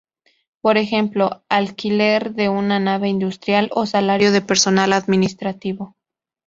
Por ejemplo, alquiler de una nave industrial o salario de personal administrativo.